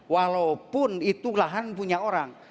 walaupun itu lahan punya orang